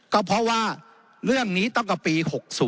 ก็เพราะว่าเรื่องนี้ตั้งแต่ปี๖๐